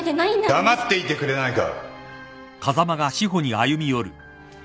黙っていてくれないか。